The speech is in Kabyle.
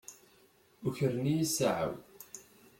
Ukren-iyi ssaɛa-w.